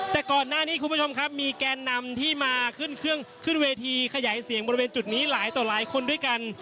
แต่ก่อนหน้านี้คุณผู้ชมครับมีแกนนำที่มาขึ้นเครื่องขึ้นเวทีขยายเสียงบริเวณจุดนี้หลายต่อหลายคนด้วยกัน